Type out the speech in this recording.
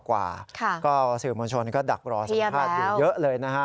ก็สื่อมวลชนก็ดักรอสัมภาษณ์อยู่เยอะเลยนะฮะ